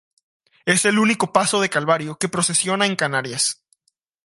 Es el único paso de calvario que procesiona en Canarias.